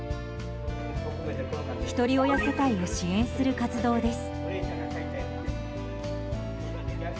ひとり親世帯を支援する活動です。